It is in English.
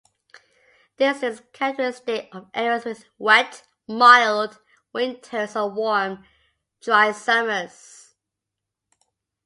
This is characteristic of areas with wet, mild winters and warm, dry summers.